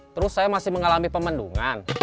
terus saya masih mengalami pemendungan